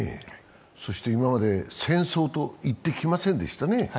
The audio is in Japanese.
今まで、戦争と言ってきませんでしたね。